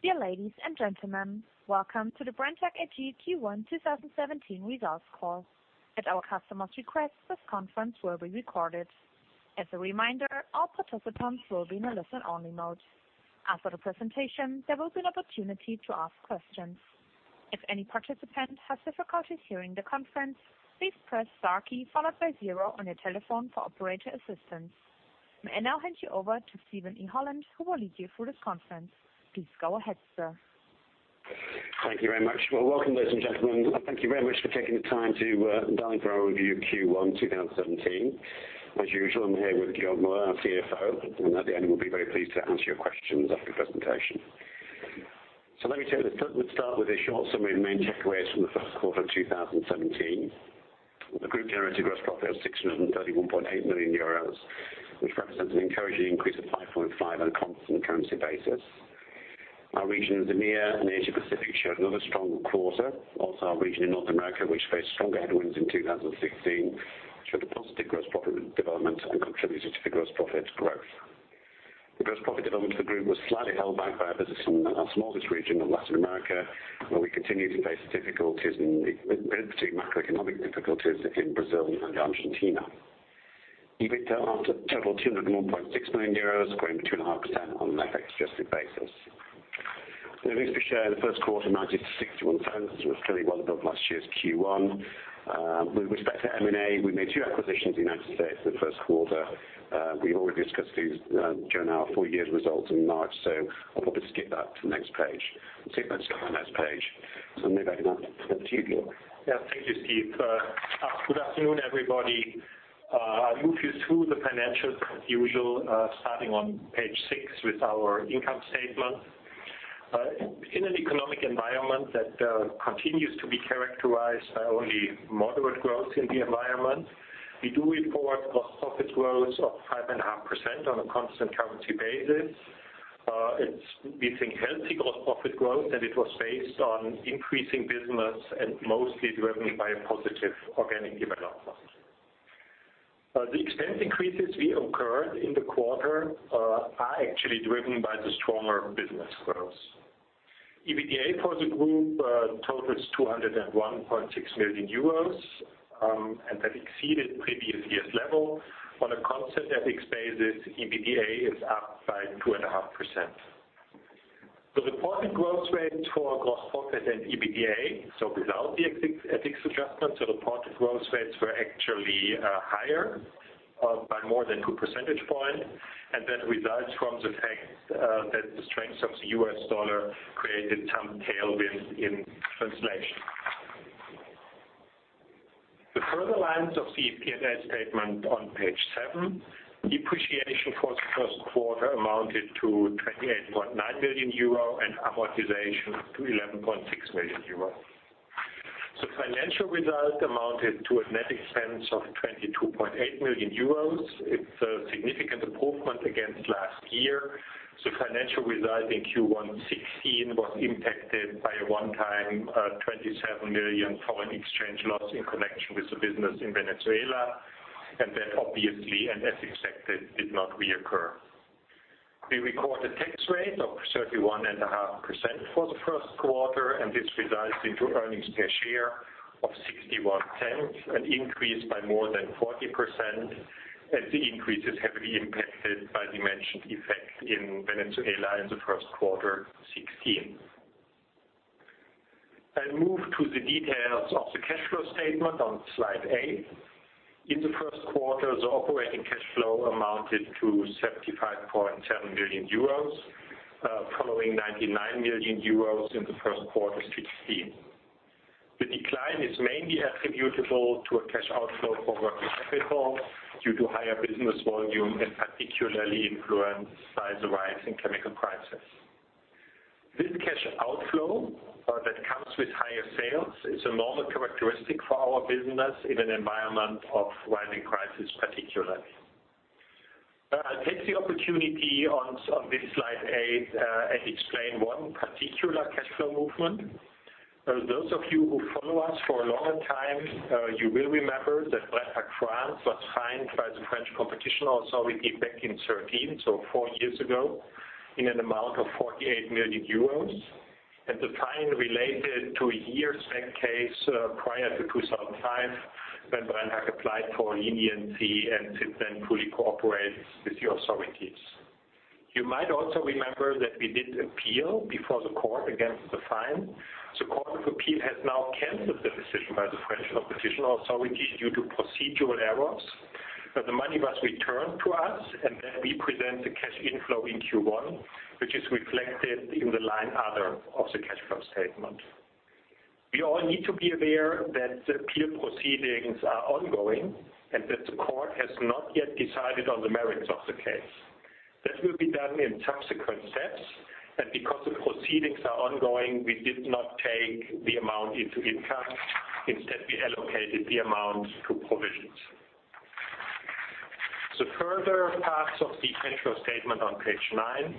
Dear ladies and gentlemen, welcome to the Brenntag AG Q1 2017 results call. At our customers' request, this conference will be recorded. As a reminder, all participants will be in a listen-only mode. After the presentation, there will be an opportunity to ask questions. If any participants have difficulties hearing the conference, please press star key followed by zero on your telephone for operator assistance. I may now hand you over to Steven E. Holland, who will lead you through this conference. Please go ahead, sir. Thank you very much. Well, welcome, ladies and gentlemen. Thank you very much for taking the time to dial in for our review of Q1 2017. As usual, I'm here with Georg Müller, our CFO, and at the end, we'll be very pleased to answer your questions after the presentation. Let me start with a short summary of the main takeaways from the first quarter of 2017. The group generated gross profit of 631.8 million euros, which represents an encouraging increase of 5.5% on a constant currency basis. Our region of EMEA and Asia Pacific showed another strong quarter. Also, our region in North America, which faced stronger headwinds in 2016, showed a positive gross profit development and contributed to the gross profit growth. The gross profit development of the group was slightly held back by our business in our smallest region of Latin America, where we continue to face difficulties, in particular macroeconomic difficulties in Brazil and Argentina. EBITDA after total 201.6 million euros, growing 2.5% on an FX adjusted basis. The earnings per share in the first quarter amounted to 0.61, which was clearly well above last year's Q1. With respect to M&A, we made two acquisitions in the U.S. in the first quarter. We've already discussed these during our full year results in March, I'll probably skip that to the next page. Maybe I can hand it over to you, Georg. Yeah, thank you, Steve. Good afternoon, everybody. I'll move you through the financials as usual, starting on page six with our income statement. In an economic environment that continues to be characterized by only moderate growth in the environment, we do report gross profit growth of 5.5% on a constant currency basis. It's, we think, healthy gross profit growth, and it was based on increasing business and mostly driven by a positive organic development. The expense increases we occurred in the quarter are actually driven by the stronger business growth. EBITDA for the group totals 201.6 million euros, and that exceeded previous year's level. On a constant FX basis, EBITDA is up by 2.5%. The reported growth rate for gross profit and EBITDA, without the FX adjustment, reported growth rates were actually higher by more than two percentage points, and that results from the fact that the strength of the U.S. dollar created some tailwind in translation. The further lines of the P&L statement on page seven, depreciation for the first quarter amounted to 28.9 million euro and amortization to 11.6 million euro. Financial result amounted to a net expense of 22.8 million euros. It's a significant improvement against last year. Financial result in Q1 2016 was impacted by a one-time 27 million foreign exchange loss in connection with the business in Venezuela. That obviously, and as expected, did not reoccur. We record a tax rate of 31.5% for the first quarter, this results into earnings per share of 0.61, an increase by more than 40%, as the increase is heavily impacted by the mentioned effect in Venezuela in the first quarter 2016. I move to the details of the cash flow statement on slide eight. In the first quarter, the operating cash flow amounted to 75.7 million euros, following 99 million euros in the first quarter 2016. The decline is mainly attributable to a cash outflow for working capital due to higher business volume and particularly influenced by the rise in chemical prices. This cash outflow that comes with higher sales is a normal characteristic for our business in an environment of rising prices, particularly. I'll take the opportunity on this slide eight and explain one particular cash flow movement. Those of you who follow us for a longer time, you will remember that Brenntag France was fined by the French Competition Authority back in 2013, four years ago, in an amount of 48 million euros. The fine related to a years-back case prior to 2005, when Brenntag applied for leniency and since then fully cooperated with the authorities. You might also remember that we did appeal before the court against the fine. The court of appeal has now canceled the decision by the French Competition Authority due to procedural errors. The money was returned to us, we present the cash inflow in Q1, which is reflected in the line other of the cash flow statement. We all need to be aware that the appeal proceedings are ongoing that the court has not yet decided on the merits of the case. That will be done in subsequent steps, because the proceedings are ongoing, we did not take the amount into income. Instead, we allocated the amount to provisions. Further parts of the cash flow statement on page nine.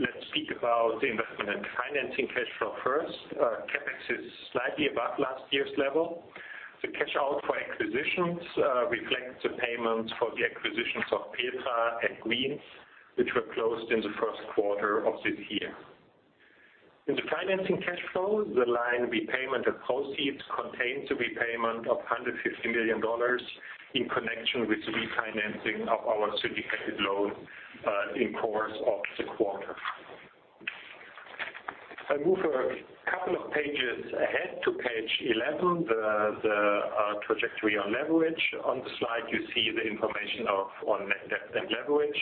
Let's speak about in-financing cash flow first. CapEx is slightly above last year's level. The cash out for acquisitions reflects the payments for the acquisitions of Petra and Greene's, which were closed in the first quarter of this year. In the financing cash flow, the line repayment of proceeds contains the repayment of $150 million in connection with refinancing of our syndicated loan in course of the quarter. I move a couple of pages ahead to page 11, the trajectory on leverage. On the slide, you see the information on net debt and leverage.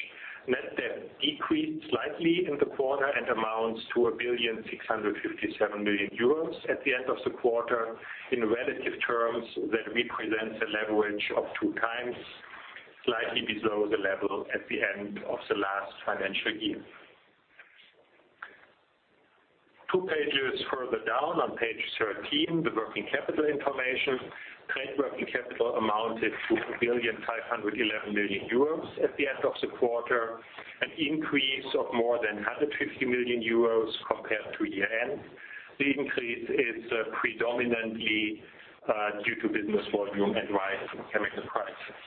Net debt decreased slightly in the quarter, amounts to 1,657,000,000 euros at the end of the quarter. In relative terms, that represents a leverage of two times, slightly below the level at the end of the last financial year. Two pages further down on page 13, the working capital information. Trade working capital amounted to 1,511,000,000 euros at the end of the quarter, an increase of more than 150 million euros compared to year end. The increase is predominantly due to business volume and rise in chemical prices.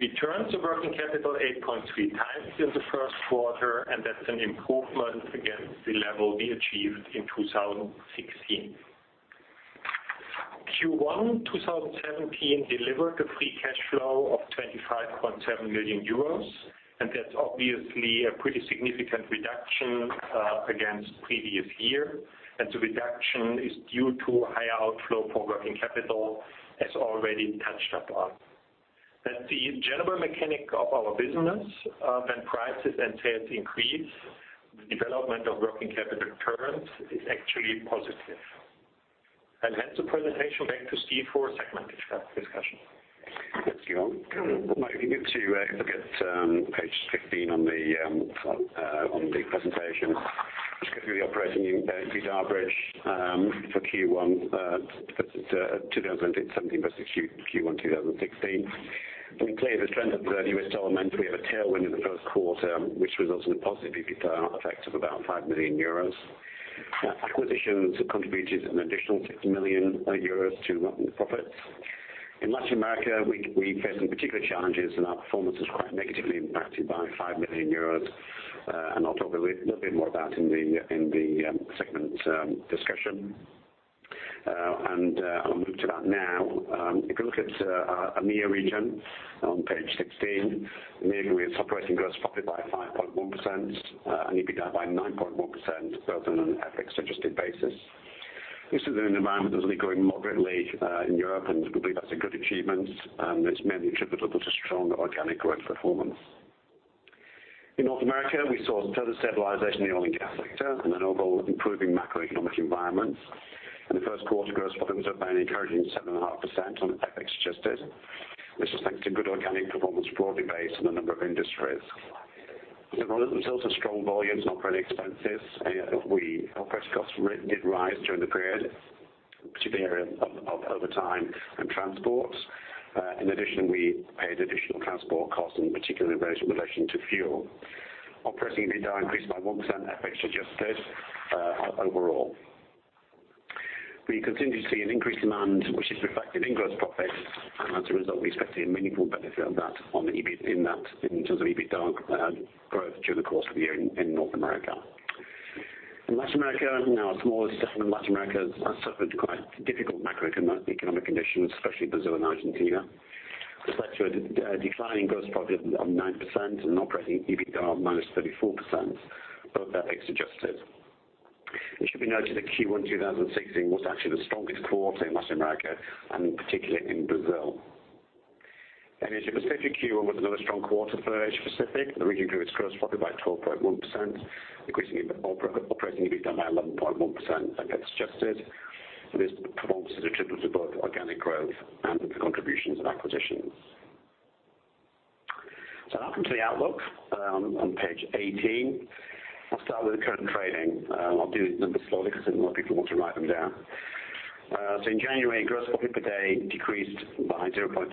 We turned the working capital 8.3 times in the first quarter, that's an improvement against the level we achieved in 2016. Q1 2017 delivered a free cash flow of 25.7 million euros, that's obviously a pretty significant reduction against previous year, the reduction is due to higher outflow for working capital as already touched upon. That the general mechanic of our business, when prices and sales increase, the development of working capital turns is actually positive. That's the presentation. Back to Steven for a segment discussion. Thanks, Georg. If you look at page 15 on the presentation, just go through the operating EBITDA bridge for Q1 2017 versus Q1 2016. Clearly, the strength of the U.S. dollar meant we have a tailwind in the first quarter, which results in a positive effect of about 5 million euros. Acquisitions have contributed an additional 6 million euros to profits. In Latin America, we face some particular challenges, our performance was quite negatively impacted by 5 million euros. I'll talk a little bit more about in the segment discussion. I'll move to that now. If you look at our EMEA region on page 16, EMEA grew its operating gross profit by 5.1% and EBITDA by 9.1%, both on an FX-adjusted basis. This is in an environment that is only growing moderately in Europe, we believe that's a good achievement. It's mainly attributable to strong organic growth performance. In North America, we saw further stabilization in the Oil & Gas sector and an overall improving macroeconomic environment. In the first quarter, gross profits were up by an encouraging 7.5% on FX-adjusted, which was thanks to good organic performance broadly based on a number of industries. We saw some strong volumes and operating expenses. Our freight costs did rise during the period, particularly in overtime and transports. In addition, we paid additional transport costs, in particular in relation to fuel. Operating EBITDA increased by 1% FX-adjusted overall. We continue to see an increased demand, which is reflected in gross profit. As a result, we expect to see a meaningful benefit of that in terms of EBITDA growth during the course of the year in North America. In Latin America, now our smallest segment, Latin America has suffered quite difficult macroeconomic economic conditions, especially Brazil and Argentina. This led to a decline in gross profit of 9% and operating EBITDA of -34%, both FX adjusted. It should be noted that Q1 2016 was actually the strongest quarter in Latin America, and in particular in Brazil. Asia Pacific Q1 was another strong quarter for Asia Pacific. The region grew its gross profit by 12.1%, increasing operating EBITDA by 11.1% FX adjusted. This performance is attributable to both organic growth and the contributions of acquisitions. Now come to the outlook on page 18. I'll start with the current trading. I'll do these numbers slowly because I think more people want to write them down. In January, gross profit per day decreased by 0.3%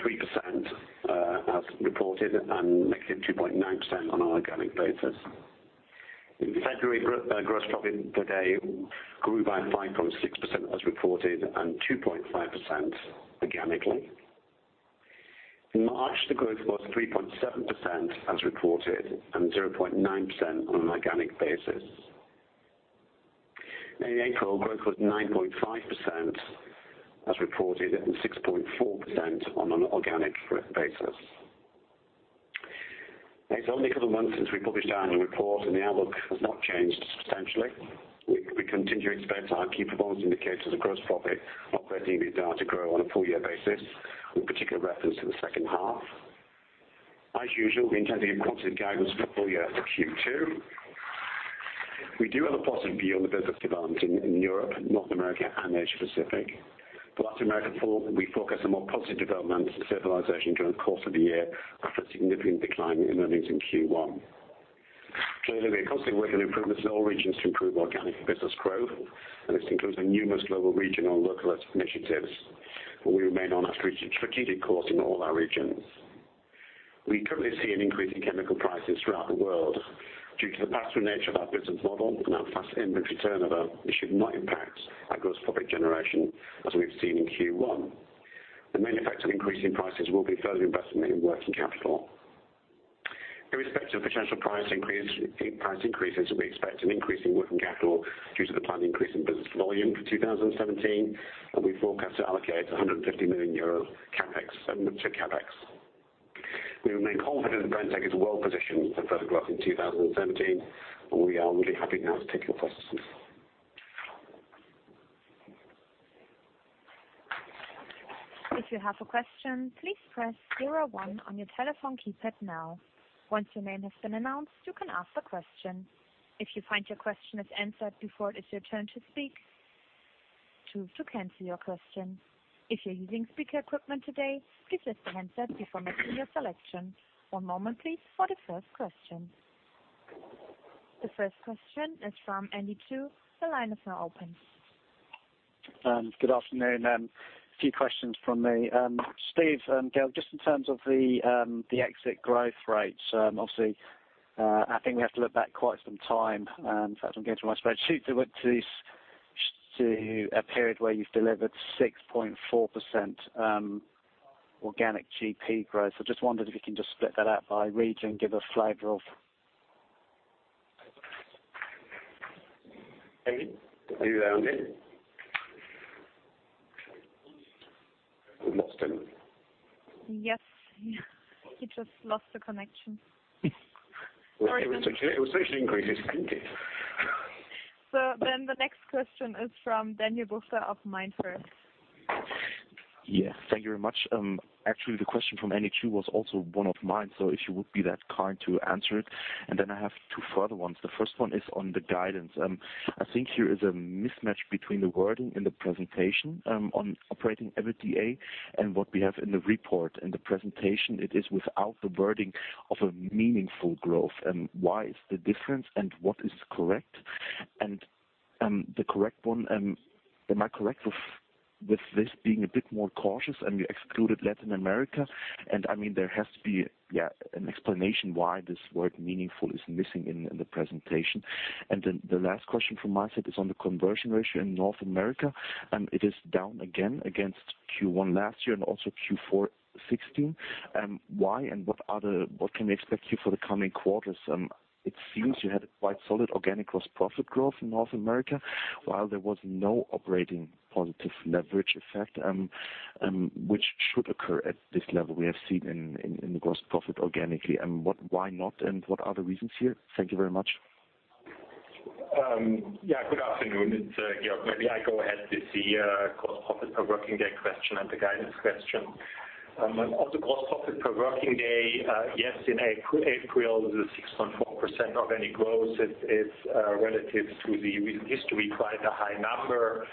as reported and -2.9% on an organic basis. In February, gross profit per day grew by 5.6% as reported and 2.5% organically. In March, the growth was 3.7% as reported and 0.9% on an organic basis. In April, growth was 9.5% as reported and 6.4% on an organic basis. It's only a couple of months since we published our annual report, and the outlook has not changed substantially. We continue to expect our key performance indicators of gross profit, operating EBITDA to grow on a full year basis, with particular reference to the second half. As usual, we intend to give quantitative guidance for full year for Q2. We do have a positive view on the business development in Europe, North America, and Asia Pacific. For Latin America, we forecast a more positive development stabilization during the course of the year after a significant decline in earnings in Q1. Clearly, we are constantly working on improvements in all regions to improve organic business growth, and this includes numerous global, regional, and localized initiatives, but we remain on our strategic course in all our regions. We currently see an increase in chemical prices throughout the world. Due to the pass-through nature of our business model and our fast inventory turnover, it should not impact our gross profit generation as we've seen in Q1. The main effect of increasing prices will be further investment in working capital. In respect to potential price increases, we expect an increase in working capital due to the planned increase in business volume for 2017, and we forecast to allocate €150 million to CapEx. We remain confident that Brenntag is well-positioned for further growth in 2017. We are really happy now to take your questions. If you have a question, please press 01 on your telephone keypad now. Once your name has been announced, you can ask the question. If you find your question is answered before it is your turn to speak, choose to cancel your question. If you're using speaker equipment today, please lift the handset before making your selection. One moment please for the first question. The first question is from Andy Chu. The line is now open. Good afternoon. A few questions from me. Steve and Georg, just in terms of the exit growth rates, obviously, I think we have to look back quite some time. In fact, I'm going through my spreadsheet to a period where you've delivered 6.4% organic GP growth. Just wondered if you can just split that out by region, give a flavor of Andy, are you there, Andy? We lost him. Yes. He just lost the connection. Sorry. It was such an increase, you see. The next question is from Daniel Bucher of MainFirst. Yes. Thank you very much. Actually, the question from Andy Chu was also one of mine, if you would be that kind to answer it, and then I have two further ones. The first one is on the guidance. I think here is a mismatch between the wording in the presentation on operating EBITDA and what we have in the report. In the presentation, it is without the wording of a meaningful growth. Why is the difference, and what is correct? Am I correct with this being a bit more cautious and you excluded Latin America? There has to be an explanation why this word meaningful is missing in the presentation. The last question from my side is on the conversion ratio in North America. It is down again against Q1 last year and also Q4 2016. Why what can we expect here for the coming quarters? It seems you had quite solid organic gross profit growth in North America, while there was no operating positive leverage effect, which should occur at this level we have seen in the gross profit organically. Why not, and what are the reasons here? Thank you very much. Good afternoon. It's Georg. Maybe I go ahead with the gross profit per working day question and the guidance question. On the gross profit per working day, yes, in April, the 6.4% organic growth is relative to the recent history, quite a high number.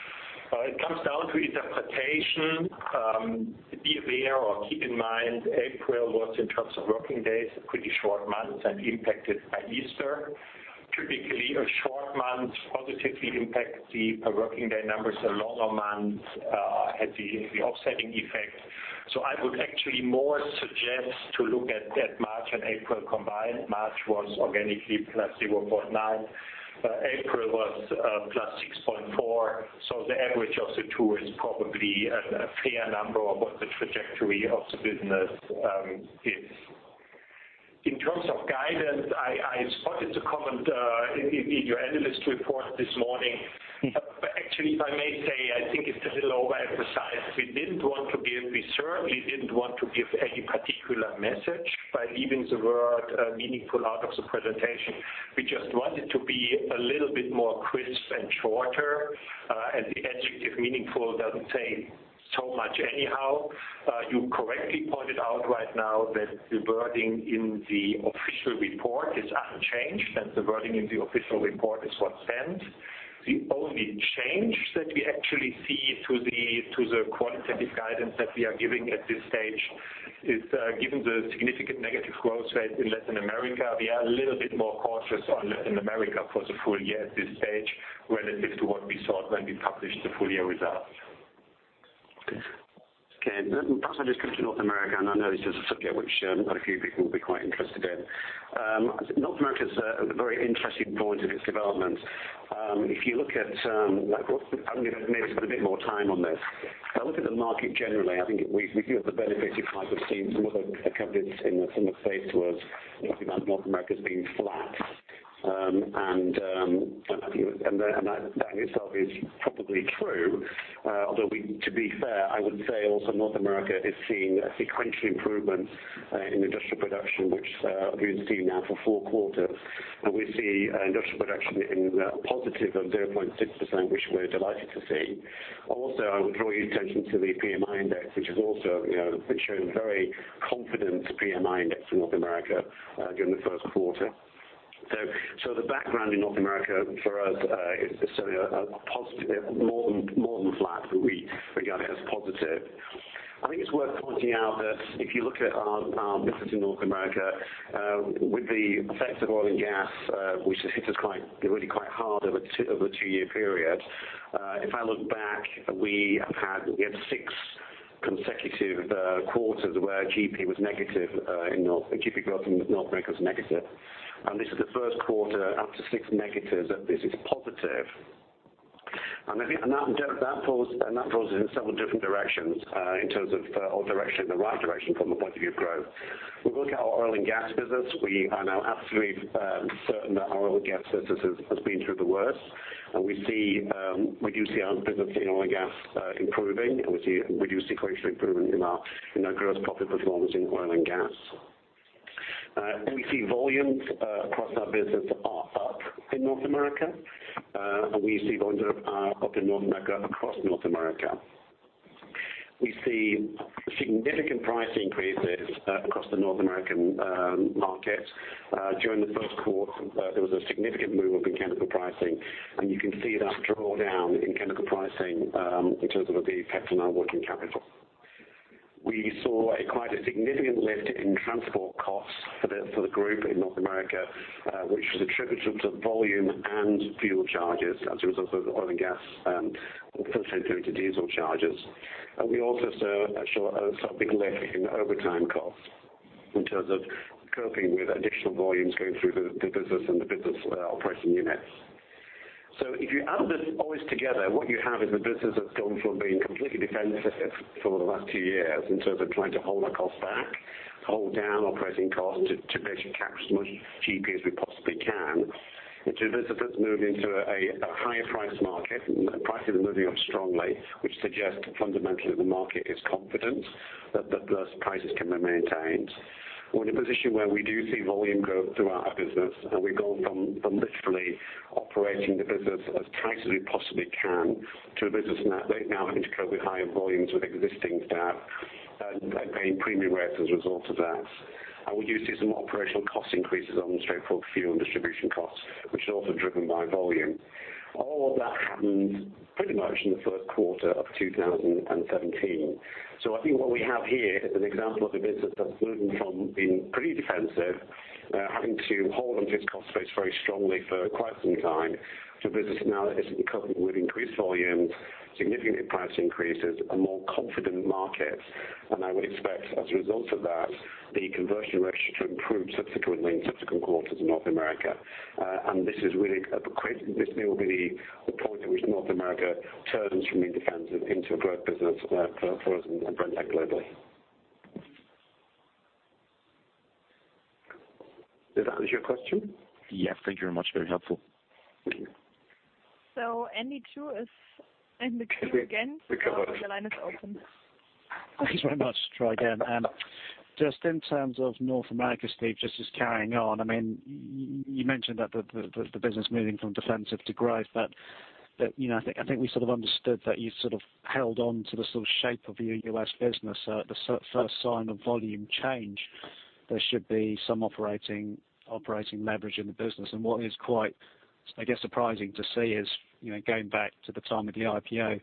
It comes down to interpretation. Be aware or keep in mind, April was, in terms of working days, a pretty short month and impacted by Easter. Typically, a short month positively impacts the per working day numbers. A longer month had the offsetting effect. I would actually more suggest to look at March and April combined. March was organically +0.9%. April was +6.4%, the average of the two is probably a fair number of what the trajectory of the business is. In terms of guidance, I spotted the comment in your analyst report this morning. Actually, if I may say, I think it's a little overemphasized. We certainly didn't want to give any particular message by leaving the word meaningful out of the presentation. We just wanted to be a little bit more crisp and shorter, and the adjective meaningful doesn't say so much anyhow. You correctly pointed out right now that the wording in the official report is unchanged, and the wording in the official report is what's sent. The only change that we actually see to the qualitative guidance that we are giving at this stage is, given the significant negative growth rate in Latin America, we are a little bit more cautious on Latin America for the full-year at this stage relative to what we thought when we published the full-year results. Okay. Perhaps I just come to North America, and I know this is a subject which quite a few people will be quite interested in. North America is at a very interesting point in its development. Maybe spend a bit more time on this. If I look at the market generally, I think we do have the benefit of seeing some other companies in a similar space to us talking about North America as being flat. That in itself is probably true. Although, to be fair, I would say also North America is seeing a sequential improvement in industrial production, which we've seen now for four quarters. We see industrial production in positive of 0.6%, which we're delighted to see. Also, I would draw your attention to the PMI index, which has also been showing very confident PMI index in North America during the first quarter. The background in North America for us is certainly more than flat, but we regard it as positive. I think it's worth pointing out that if you look at our business in North America with the effects of oil and gas which has hit us really quite hard over a two-year period. If I look back, we have had consecutive quarters where GP was negative in North America. This is the first quarter after six negatives that this is positive. That pulls in several different directions in terms of or direction, the right direction from the point of view of growth. We look at our oil and gas business. We are now absolutely certain that our oil and gas business has been through the worst, and we do see our business in oil and gas improving, and we do see gradual improvement in our gross profit performance in oil and gas. We see volumes across our business are up in North America, and we see volumes are up in North America, across North America. We see significant price increases across the North American markets. During the first quarter, there was a significant movement in chemical pricing, and you can see that draw down in chemical pricing in terms of the effect on our working capital. We saw quite a significant lift in transport costs for the group in North America, which was attributable to volume and fuel charges as a result of oil and gas, and also attributed to diesel charges. We also saw a big lift in overtime costs in terms of coping with additional volumes going through the business and the business operating units. If you add all this together, what you have is a business that's gone from being completely defensive for the last two years in terms of trying to hold our costs back, hold down operating costs to basically capture as much GP as we possibly can, to a business that's moved into a higher price market and prices are moving up strongly, which suggests fundamentally that the market is confident that those prices can be maintained. We're in a position where we do see volume growth throughout our business, and we've gone from literally operating the business as tight as we possibly can to a business now having to cope with higher volumes with existing staff and paying premium rates as a result of that. We do see some operational cost increases on straightforward fuel and distribution costs, which are also driven by volume. All of that happened pretty much in the first quarter of 2017. I think what we have here is an example of a business that's moved from being pretty defensive, having to hold on to its cost base very strongly for quite some time, to a business now that is recovering with increased volumes, significant price increases, a more confident market. I would expect as a result of that, the conversion ratio to improve subsequently in subsequent quarters in North America. This may well be the point at which North America turns from being defensive into a growth business for us and Brenntag globally. Did that answer your question? Yes, thank you very much. Very helpful. Thank you. Andy Chu is in the queue again. The cohort. Your line is open. Thanks very much. Try again. Just in terms of North America, Steven, just as carrying on. You mentioned that the business moving from defensive to growth, but I think we sort of understood that you sort of held on to the sort of shape of your U.S. business. At the first sign of volume change, there should be some operating leverage in the business. What is quite, I guess, surprising to see is, going back to the time of the IPO,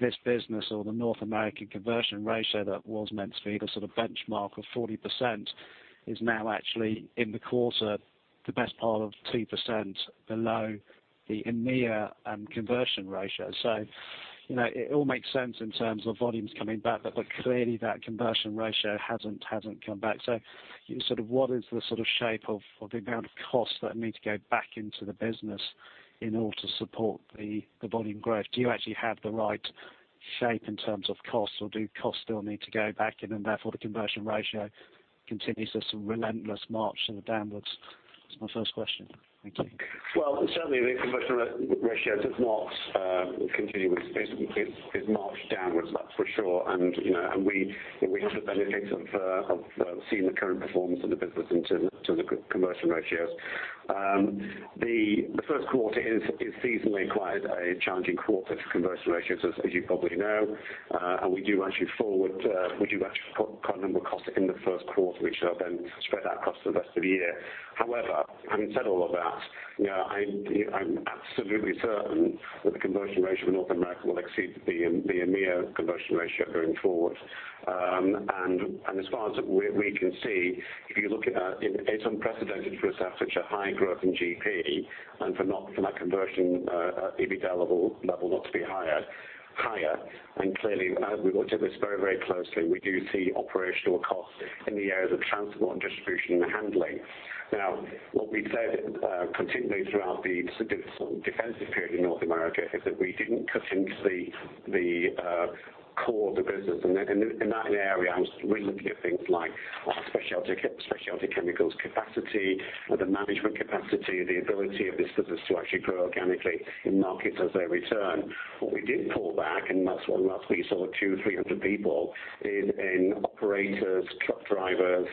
this business or the North American conversion ratio that was meant to be the sort of benchmark of 40% is now actually in the quarter the best part of 2% below the EMEA conversion ratio. It all makes sense in terms of volumes coming back, but clearly that conversion ratio hasn't come back. What is the sort of shape of the amount of costs that need to go back into the business in order to support the volume growth? Do you actually have the right shape in terms of costs, or do costs still need to go back in and therefore the conversion ratio continues this relentless march downwards? That's my first question. Thank you. Well, certainly the conversion ratio does not continue its march downwards, that's for sure. We should benefit of seeing the current performance of the business in terms of conversion ratios. The first quarter is seasonally quite a challenging quarter for conversion ratios as you probably know. We do actually put a number of costs in the first quarter, which are then spread out across the rest of the year. However, having said all of that, I'm absolutely certain that the conversion ratio for North America will exceed the EMEA conversion ratio going forward. As far as we can see, if you look at that, it's unprecedented for us to have such a high growth in GP and for that conversion, EBITDA level not to be higher. Clearly, as we've looked at this very closely, we do see operational costs in the areas of transport and distribution and handling. Now, what we've said continually throughout the defensive period in North America is that we didn't cut into the core of the business. In that area, I was really looking at things like our specialty chemicals capacity or the management capacity, the ability of this business to actually grow organically in markets as they return. What we did pull back, and that's why last week you saw 200 or 300 people in operators, truck drivers,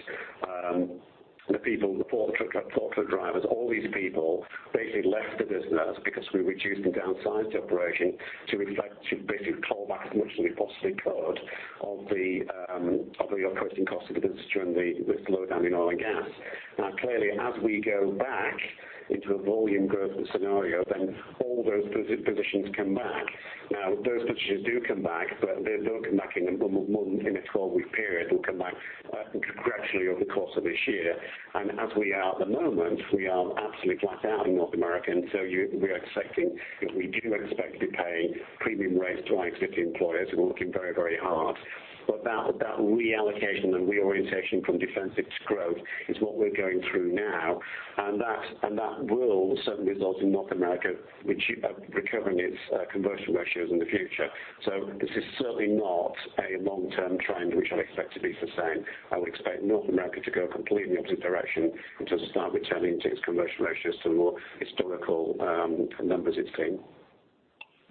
the fork truck drivers, all these people basically left the business because we reduced and downsized the operation to reflect, to basically pull back as much as we possibly could of the operating costs of the business during the slowdown in Oil & Gas. Clearly, as we go back into a volume growth scenario, all those positions come back. Those positions do come back, but they don't come back in a 12-week period. They'll come back actually over the course of this year. As we are at the moment, we are absolutely flat out in North America. We are expecting that we do expect to be paying premium rates to our existing employers, who are working very, very hard. That reallocation and reorientation from defensive to growth is what we're going through now. That will certainly result in North America, which recovering its conversion ratios in the future. This is certainly not a long-term trend, which I expect to be the same. I would expect North America to go completely opposite direction, which is to start returning to its conversion ratios to more historical numbers it's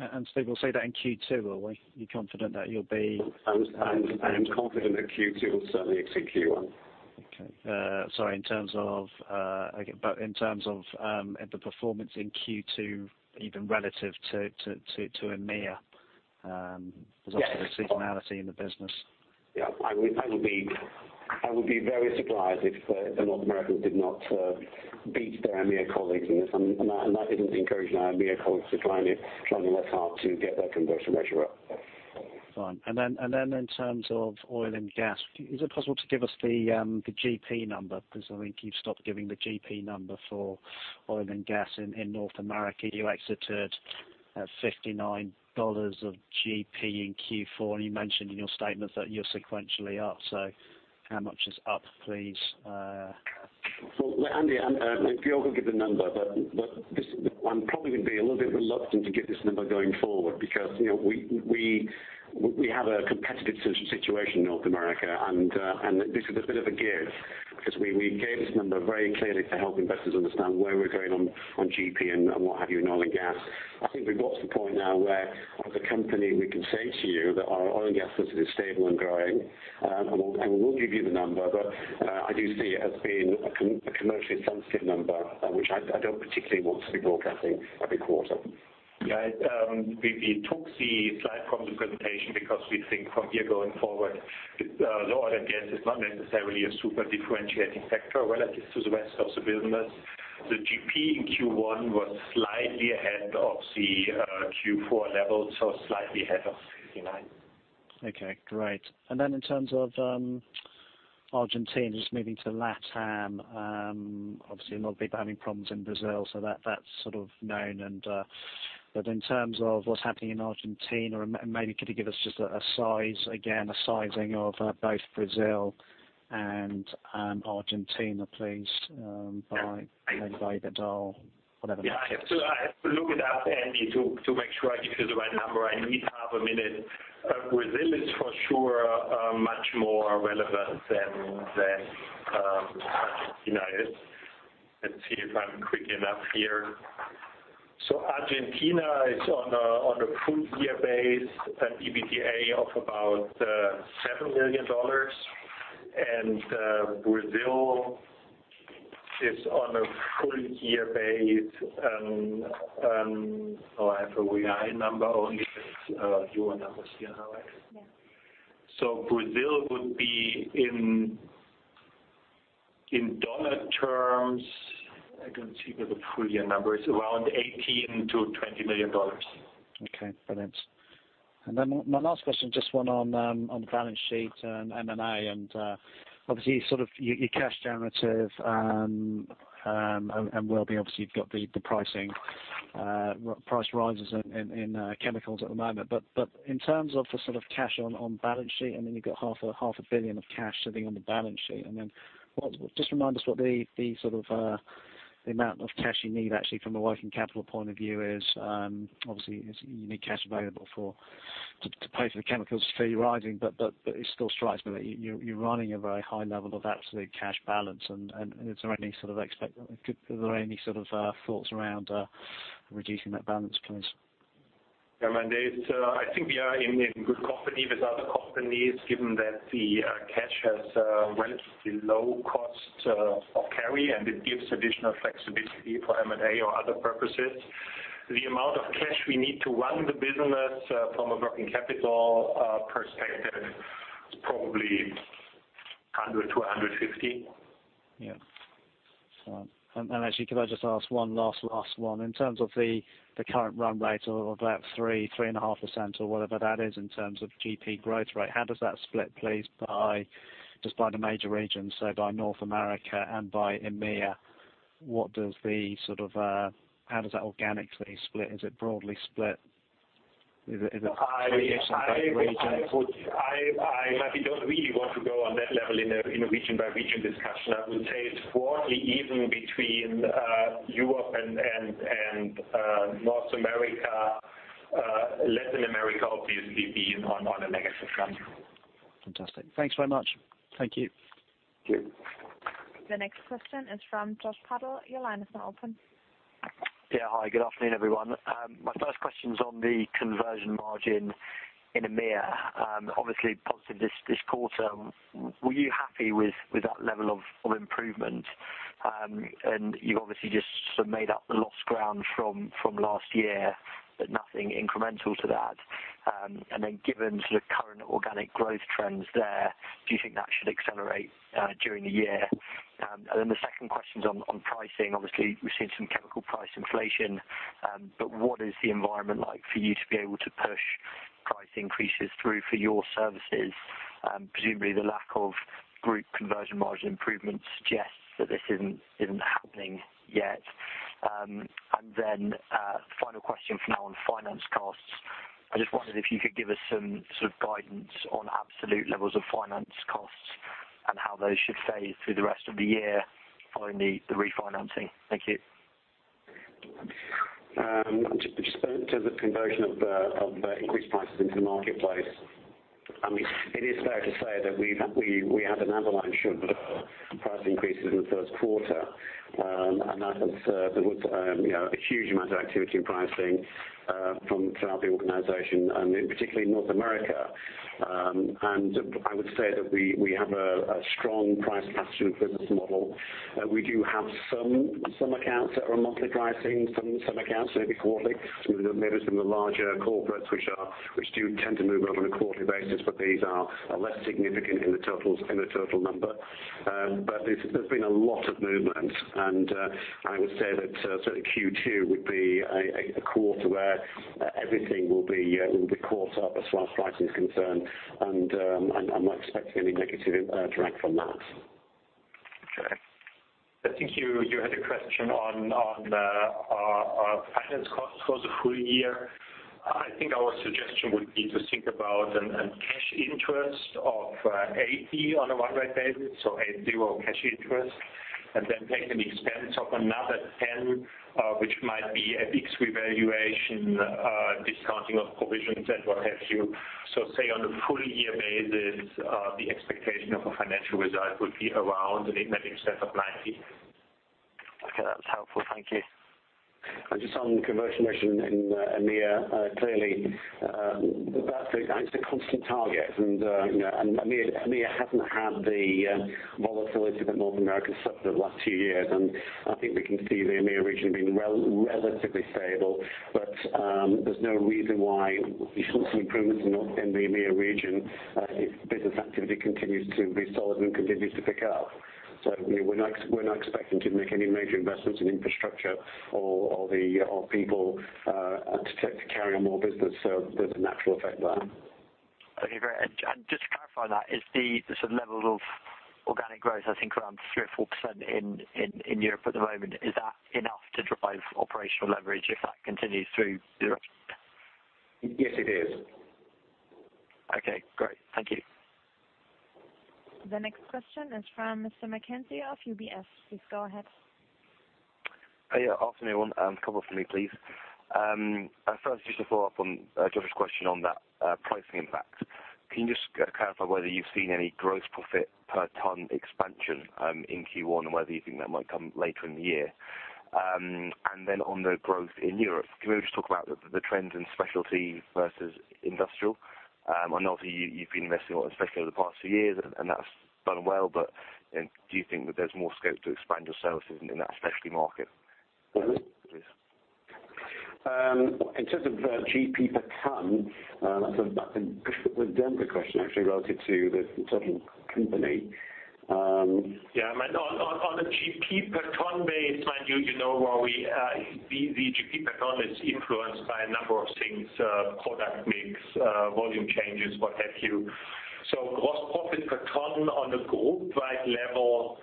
in. Steve, we'll see that in Q2 or are we? You're confident that you'll be- I am confident that Q2 will certainly exceed Q1. Okay. Sorry, in terms of the performance in Q2, even relative to EMEA- Yes There's obviously a seasonality in the business. Yeah. I will be very surprised if the North Americans did not beat their EMEA colleagues in this. That isn't encouraging our EMEA colleagues to try any less hard to get their conversion ratio up. Fine. In terms of oil and gas, is it possible to give us the GP number? I think you've stopped giving the GP number for oil and gas in North America. You exited at EUR 59 of GP in Q4, and you mentioned in your statement that you're sequentially up. How much is up, please? Well, Andy, I'm happy to give the number. I'm probably going to be a little bit reluctant to give this number going forward because we have a competitive situation in North America, and this is a bit of a give. We gave this number very clearly to help investors understand where we're going on GP and what have you in oil and gas. I think we've got to the point now where as a company, we can say to you that our oil and gas business is stable and growing. We will give you the number, but I do see it as being a commercially sensitive number, which I don't particularly want to be broadcasting every quarter. Yeah. We took the slide from the presentation because we think from here going forward, the oil and gas is not necessarily a super differentiating factor relative to the rest of the business. The GP in Q1 was slightly ahead of the Q4 level, slightly ahead of 59. Okay, great. Then in terms of Argentina, just moving to LatAm, obviously a lot of people are having problems in Brazil, so that's sort of known. In terms of what's happening in Argentina, and maybe could you give us just a size again, a sizing of both Brazil and Argentina, please, by the dollar, whatever measure? Yeah. I have to look it up, Andy, to make sure I give you the right number. I need half a minute. Brazil is for sure much more relevant than Argentina is. Let's see if I'm quick enough here. Argentina is on a full year base, an EBITDA of about EUR 7 million. Brazil is on a full year base, and I have an FY number only, but you have numbers here, Alex. Yeah. Brazil would be in USD terms, I can see by the full year number, is around $18 million-$20 million. Okay, brilliant. My last question, just one on balance sheet and M&A, you're cash generative, and will be. You've got the price rises in chemicals at the moment. In terms of the sort of cash on balance sheet, I mean you've got half a billion EUR of cash sitting on the balance sheet. Just remind us what the amount of cash you need actually from a working capital point of view is. You need cash available to pay for the chemicals fee rising, but it still strikes me that you're running a very high level of absolute cash balance, are there any sort of thoughts around reducing that balance, please? Yeah, Andy, I think we are in good company with other companies, given that the cash has a relatively low cost of carry, and it gives additional flexibility for M&A or other purposes. The amount of cash we need to run the business from a working capital perspective, probably 100 million-150 million. Yeah. Could I just ask one last one? In terms of the current run rate of about 3%-3.5% or whatever that is in terms of GP growth rate, how does that split, please, just by the major regions, so by North America and by EMEA, how does that organically split? Is it broadly split? Is it three-ish in both regions? I maybe don't really want to go on that level in a region by region discussion. I would say it's broadly even between Europe and North America. Latin America, obviously been on a negative run. Fantastic. Thanks very much. Thank you. Thank you. The next question is from Josh Pade. Your line is now open. Yeah. Hi, good afternoon, everyone. My first question's on the conversion margin in EMEA. Obviously positive this quarter. Were you happy with that level of improvement? You obviously just sort of made up the lost ground from last year, but nothing incremental to that. Given sort of current organic growth trends there, do you think that should accelerate during the year? The second question's on pricing. Obviously we've seen some chemical price inflation. What is the environment like for you to be able to push price increases through for your services. Presumably the lack of group conversion margin improvement suggests that this isn't happening yet. Final question for now on finance costs. I just wondered if you could give us some sort of guidance on absolute levels of finance costs and how those should phase through the rest of the year following the refinancing. Thank you. Just in terms of conversion of increased prices into the marketplace. It is fair to say that we had an avalanche of price increases in the first quarter. That has deserved a huge amount of activity in pricing throughout the organization and particularly in North America. I would say that we have a strong price passage business model. We do have some accounts that are monthly pricing, some accounts may be quarterly. Some of those may have been the larger corporates, which do tend to move on a quarterly basis, but these are less significant in the total number. There's been a lot of movement and I would say that certainly Q2 would be a quarter where everything will be caught up as far as pricing is concerned. I'm not expecting any negative drag from that. Okay. I think you had a question on our finance costs for the full year. I think our suggestion would be to think about a cash interest of 80 on a run rate basis, so 8-0 cash interest, then take an expense of another 10, which might be a big revaluation, discounting of provisions and what have you. Say on a full year basis, the expectation of a financial result would be around an immaterial set of 90. Okay. That's helpful. Thank you. Just on conversion ratio in EMEA. Clearly, that's a constant target and EMEA hasn't had the volatility that North America suffered the last two years. I think we can see the EMEA region being relatively stable. There's no reason why you shouldn't see improvements in the EMEA region if business activity continues to be solid and continues to pick up. We're not expecting to make any major investments in infrastructure or people to carry on more business. There's a natural effect there. Okay, great. Just to clarify that, is the sort of level of organic growth I think around 3 or 4% in Europe at the moment, is that enough to drive operational leverage if that continues through the rest? Yes, it is. Okay, great. Thank you. The next question is from Mr. Mackenzie of UBS. Please go ahead. Yeah, afternoon, everyone. A couple from me, please. First just to follow up on Joshua's question on that pricing impact. Can you just clarify whether you've seen any gross profit per ton expansion in Q1 and whether you think that might come later in the year? On the growth in Europe, can we just talk about the trends in specialty versus industrial? I know that you've been investing a lot in specialty over the past few years, and that's done well, do you think that there's more scope to expand your services in that specialty market? In terms of GP per ton, that's a question actually related to the total company. Yeah. On the GP per ton basis, mind you, the GP per ton is influenced by a number of things, product mix, volume changes, what have you. Gross profit per ton on a group-wide level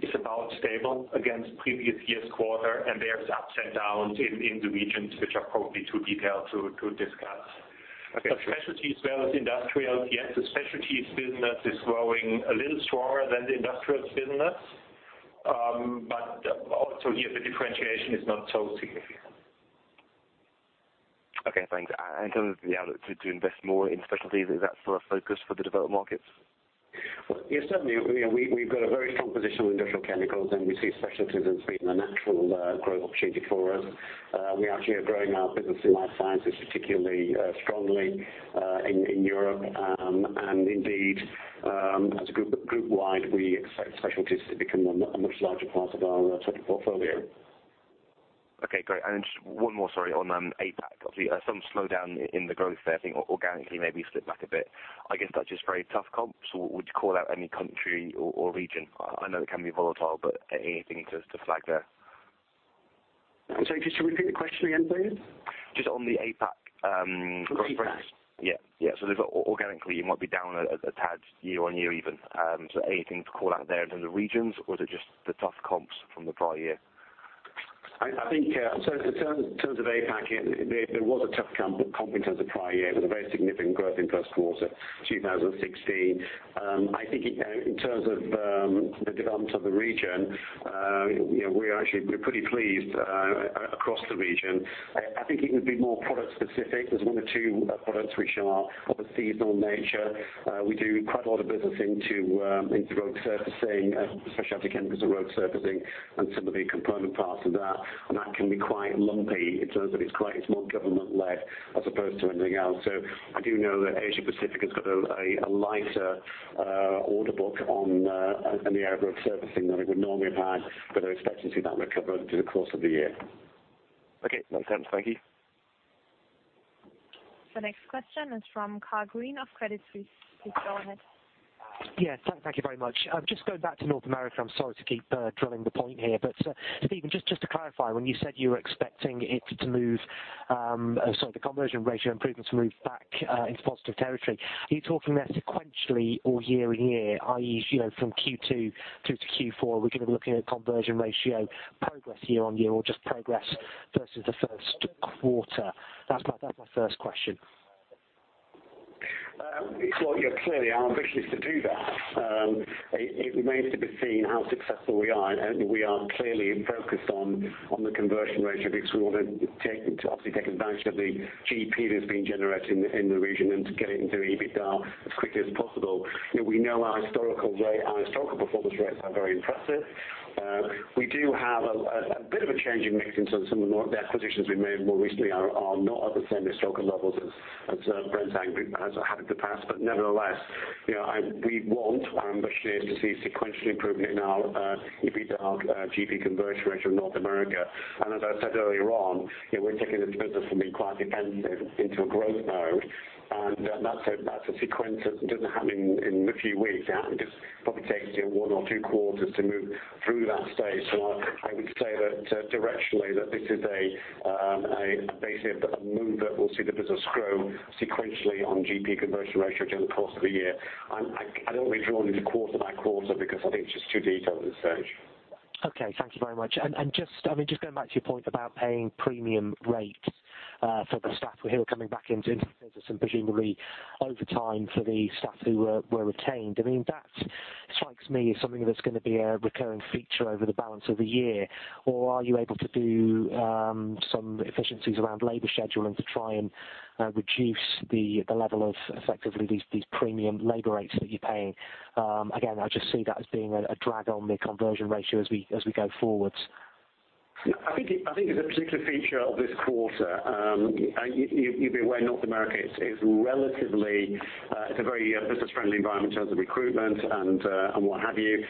is about stable against previous year's quarter. There's ups and downs in the regions which are probably too detailed to discuss. Okay. Specialties versus industrials, yes, the specialties business is growing a little stronger than the industrials business. Also here, the differentiation is not so significant. Okay, thanks. In terms of the outlook to invest more in specialties, is that still a focus for the developed markets? Well, yes, certainly, we've got a very strong position on industrial chemicals, and we see specialties as being a natural growth opportunity for us. We actually are growing our business in life sciences, particularly strongly in Europe. Indeed, as a group-wide, we expect specialties to become a much larger part of our total portfolio. Okay, great. Just one more, sorry, on APAC. Obviously some slowdown in the growth there. I think organically maybe slipped back a bit. I guess that's just very tough comps. Would you call out any country or region? I know it can be volatile, but anything just to flag there. I'm sorry. Could you repeat the question again, please? Just on the APAC growth rate. APAC. Yeah. Organically you might be down a tad year on year even. Anything to call out there in terms of regions, or is it just the tough comps from the prior year? I think in terms of APAC, there was a tough comp in terms of prior year with a very significant growth in first quarter 2016. I think in terms of the development of the region, we are pretty pleased across the region. I think it would be more product specific. There's one or two products which are of a seasonal nature. We do quite a lot of business into road surfacing, specialty chemicals for road surfacing and some of the component parts of that. That can be quite lumpy in terms of it is more government led as opposed to anything else. I do know that Asia Pacific has got a lighter order book in the area of road surfacing than it would normally have had. I expect to see that recover over the course of the year. Okay, that is helpful. Thank you. The next question is from Carl Raynsford of Credit Suisse. Please go ahead. Yeah. Thank you very much. Just going back to North America, I am sorry to keep drilling the point here, but Steven, just to clarify, when you said you were expecting the conversion ratio improvements to move back into positive territory, are you talking there sequentially or year-on-year, i.e., from Q2 through to Q4? Are we going to be looking at conversion ratio progress year-on-year or just progress versus the first quarter? That is my first question. Well, clearly, our ambition is to do that. It remains to be seen how successful we are. We are clearly focused on the conversion ratio because we want to obviously take advantage of the GP that's being generated in the region and to get it into EBITDA as quickly as possible. We know our historical performance rates are very impressive. We do have a bit of a change in mix in some of the acquisitions we made more recently are not at the same historical levels as Brenntag has had in the past. Nevertheless, we want our ambition is to see sequential improvement in our EBITDA GP conversion ratio in North America. As I said earlier on, we're taking this business from being quite defensive into a growth mode, and that's a sequence that doesn't happen in a few weeks. It probably takes you one or two quarters to move through that stage. I would say that directionally that this is a basic move that we'll see the business grow sequentially on GP conversion ratio during the course of the year. I don't want to get drawn into quarter by quarter because I think it's just too detailed at this stage. Okay. Thank you very much. Just going back to your point about paying premium rates for the staff who are coming back into the business and presumably overtime for the staff who were retained. That strikes me as something that's going to be a recurring feature over the balance of the year. Are you able to do some efficiencies around labor scheduling to try and reduce the level of effectively these premium labor rates that you're paying? Again, I just see that as being a drag on the conversion ratio as we go forwards. I think it is a particular feature of this quarter. You'd be aware North America is a very business-friendly environment in terms of recruitment and what have you.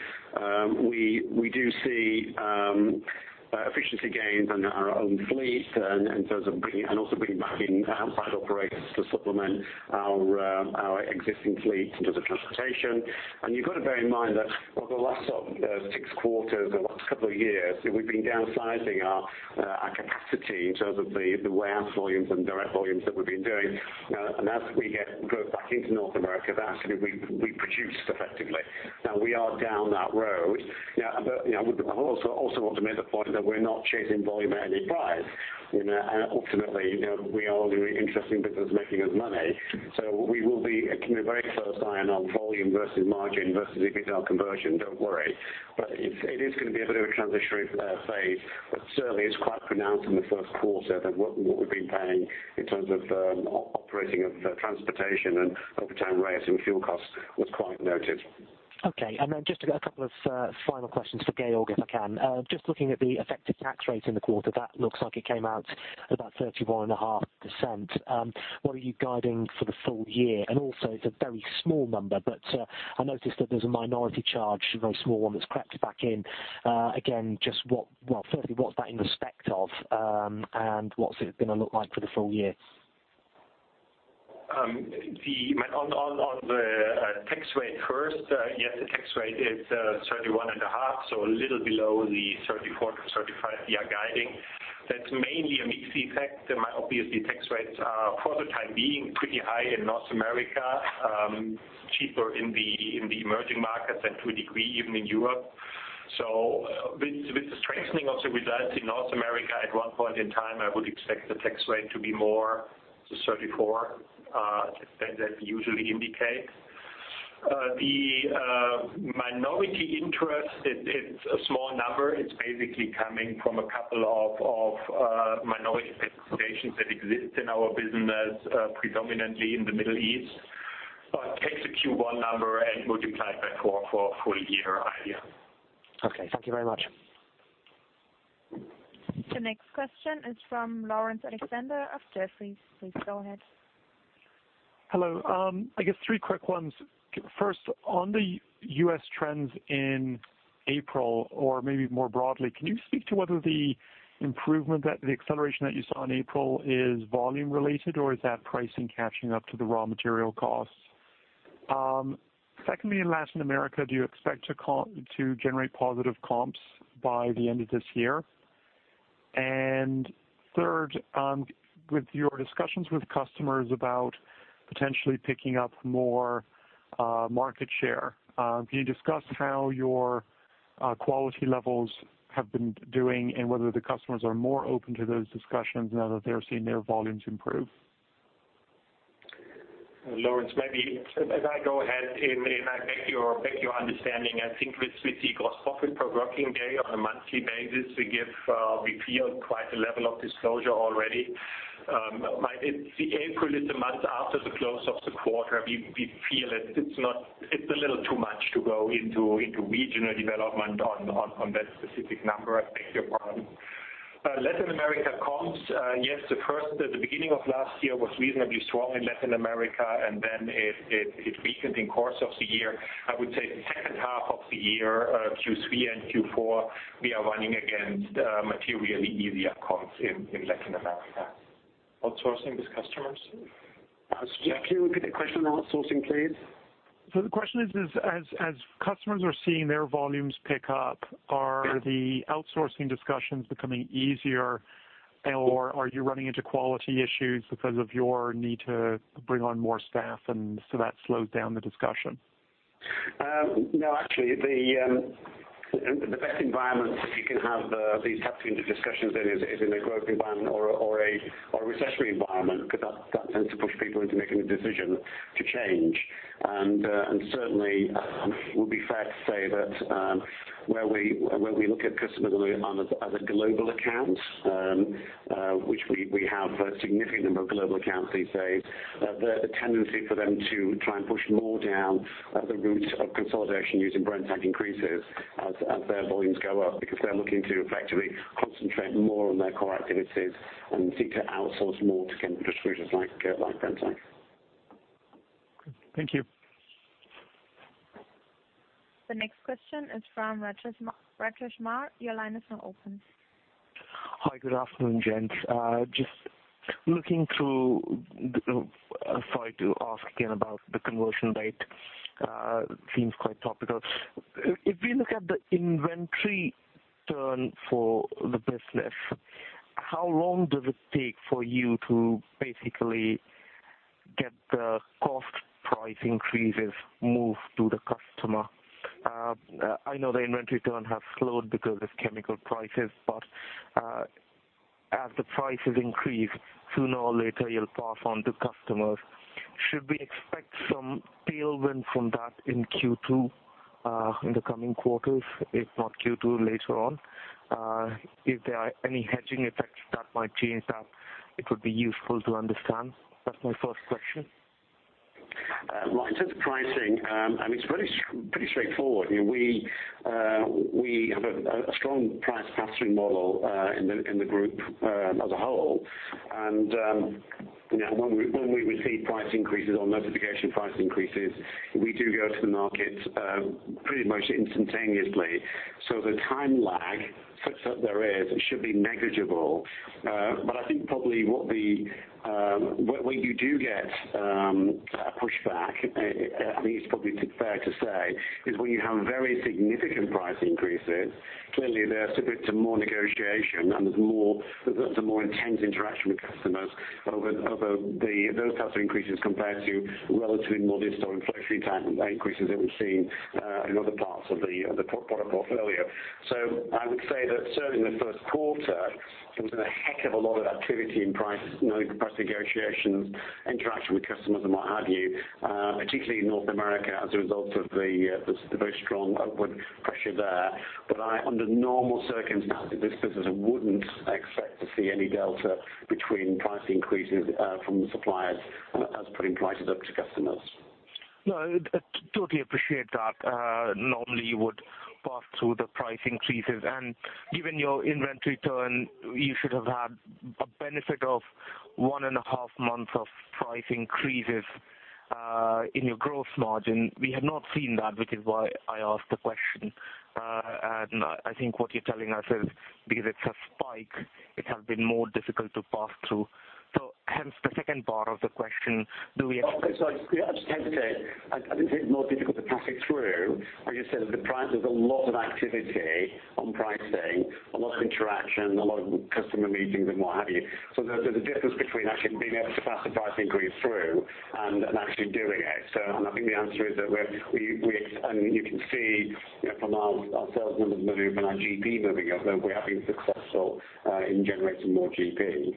We do see efficiency gains in our own fleet and also bringing back in outside operators to supplement our existing fleet in terms of transportation. You've got to bear in mind that over the last six quarters or the last couple of years, we've been downsizing our capacity in terms of the warehouse volumes and direct volumes that we've been doing. As we grow back into North America, we produced effectively. Now we are down that road. I also want to make the point that we're not chasing volume at any price. Ultimately, we are only interested in business making us money. We will be keeping a very close eye on our volume versus margin versus EBITDA conversion. Don't worry. It is going to be a bit of a transitionary phase, but certainly it's quite pronounced in the first quarter that what we've been paying in terms of operating of transportation and overtime rates and fuel costs was quite noticed. Okay. Just a couple of final questions for Georg, if I can. Just looking at the effective tax rate in the quarter, that looks like it came out about 31.5%. What are you guiding for the full year? It's a very small number, but I noticed that there's a minority charge, a very small one that's crept back in. Again, firstly, what's that in respect of, and what's it going to look like for the full year? On the tax rate first. Yes, the tax rate is 31.5, so a little below the 34%-35% we are guiding. That's mainly a mix effect. Obviously, tax rates are, for the time being, pretty high in North America, cheaper in the emerging markets and to a degree even in Europe. With the strengthening of the results in North America, at one point in time, I would expect the tax rate to be more to 34% than that we usually indicate. The minority interest. It's a small number. It's basically coming from a couple of minority participations that exist in our business, predominantly in the Middle East. Take the Q1 number and multiply it by four for a full year idea. Okay. Thank you very much. The next question is from Laurence Alexander of Jefferies. Please go ahead. Hello. I guess three quick ones. First, on the U.S. trends in April, or maybe more broadly, can you speak to whether the acceleration that you saw in April is volume related, or is that pricing catching up to the raw material costs? Secondly, in Latin America, do you expect to generate positive comps by the end of this year? And third, with your discussions with customers about potentially picking up more market share, can you discuss how your quality levels have been doing and whether the customers are more open to those discussions now that they're seeing their volumes improve? Laurence, maybe as I go ahead, I beg your understanding, I think with the gross profit per working day on a monthly basis, we feel quite a level of disclosure already. April is the month after the close of the quarter. We feel it's a little too much to go into regional development on that specific number. I beg your pardon. Latin America comps. Yes, the beginning of last year was reasonably strong in Latin America, then it weakened in course of the year. I would say the second of the year, Q3 and Q4, we are running against materially easier comps in Latin America. Outsourcing with customers? Can you repeat the question on outsourcing, please? The question is, as customers are seeing their volumes pick up, are the outsourcing discussions becoming easier? Are you running into quality issues because of your need to bring on more staff, and so that slows down the discussion? No, actually, the best environment that you can have these types of discussions in is in a growth environment or a recessionary environment, because that tends to push people into making a decision to change. Certainly, it would be fair to say that where we look at customers on as a global account, which we have a significant number of global accounts these days, the tendency for them to try and push more down the route of consolidation using Brenntag increases as their volumes go up because they're looking to effectively concentrate more on their core activities and seek to outsource more to distributors like Brenntag. Thank you. The next question is from Ratresh Mah. Your line is now open. Hi, good afternoon, gents. Sorry to ask again about the conversion rate. Seems quite topical. If you look at the inventory turn for the business, how long does it take for you to basically get the cost price increases moved to the customer? I know the inventory turn has slowed because of chemical prices, but as the prices increase, sooner or later you'll pass on to customers. Should we expect some tailwind from that in Q2, in the coming quarters, if not Q2, later on? If there are any hedging effects that might change that, it would be useful to understand. That's my first question. Well, in terms of pricing, I mean, it's pretty straightforward. We have a strong price pass-through model in the group as a whole. When we receive price increases or notification price increases, we do go to the market pretty much instantaneously. The time lag, such that there is, should be negligible. I think probably where you do get pushback, I think it's probably fair to say, is when you have very significant price increases. Clearly, they're subject to more negotiation and there's a more intense interaction with customers over those types of increases compared to relatively modest or inflationary-type increases that we've seen in other parts of the product portfolio. I would say that certainly in the first quarter, there was a heck of a lot of activity in price negotiations, interaction with customers and what have you, particularly in North America as a result of the very strong upward pressure there. Under normal circumstances, this business wouldn't expect to see any delta between price increases from the suppliers as putting prices up to customers. No, I totally appreciate that. Normally, you would pass through the price increases. Given your inventory turn, you should have had a benefit of one and a half months of price increases in your gross margin. We have not seen that, which is why I asked the question. I think what you're telling us is because it's a spike, it has been more difficult to pass through. Hence the second part of the question, do we- Okay. I just hesitate. I didn't say it's more difficult to pass it through. As you said, there's a lot of activity on pricing, a lot of interaction, a lot of customer meetings and what have you. There's a difference between actually being able to pass the price increase through and actually doing it. I think the answer is that you can see from our sales numbers moving and our GP moving up that we have been successful in generating more GP.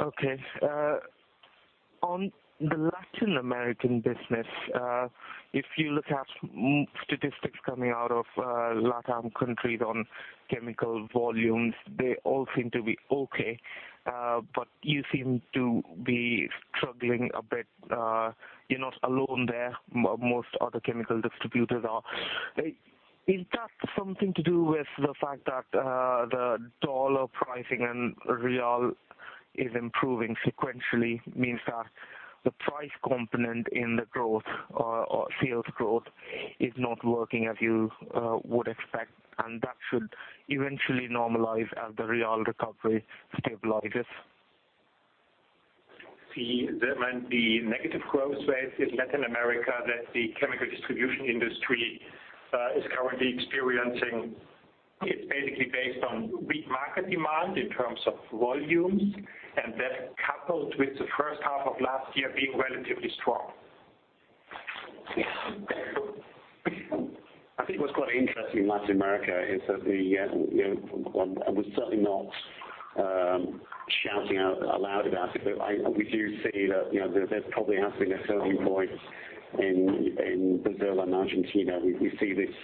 Okay. On the Latin American business, if you look at statistics coming out of LatAm countries on chemical volumes, they all seem to be okay. You seem to be struggling a bit. You're not alone there. Most other chemical distributors are. Is that something to do with the fact that the dollar pricing and real is improving sequentially, means that the price component in the growth or sales growth is not working as you would expect, and that should eventually normalize as the real recovery stabilizes? The negative growth rate in Latin America that the chemical distribution industry is currently experiencing, it's basically based on weak market demand in terms of volumes, and that coupled with the first half of last year being relatively strong. I think what's quite interesting in Latin America is that we're certainly not shouting out aloud about it, but we do see that there probably has been a turning point in Brazil and Argentina. We see this